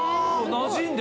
なじんだ。